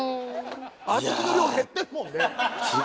「あずきの量減ってるもんね」